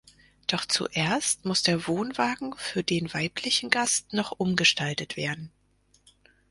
Doch zuerst muss der Wohnwagen für den weiblichen Gast noch umgestaltet werden.